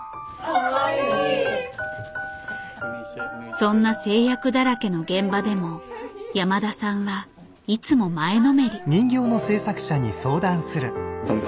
そんな制約だらけの現場でも山田さんはいつも前のめり。